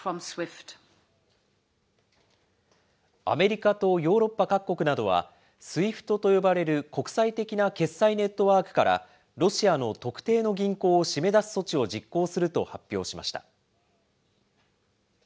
アメリカとヨーロッパ各国などは、ＳＷＩＦＴと呼ばれる国際的な決済ネットワークから、ロシアの特定の銀行を締め出す措置を実行すると発表しました。